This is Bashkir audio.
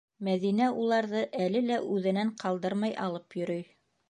Мәҙинә уларҙы әле лә үҙенән ҡалдырмай алып йөрөй.